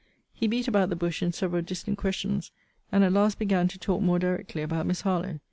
He beat about the bush in several distant questions, and at last began to talk more directly about Miss Harlowe.